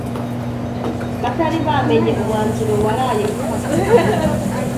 batari bamenye umwanzuro waraye ufashwe